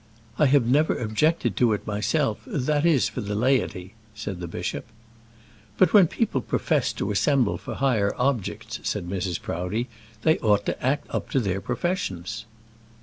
"I have never objected to it myself; that is, for the laity," said the bishop. "But when people profess to assemble for higher objects," said Mrs. Proudie, "they ought to act up to their professions."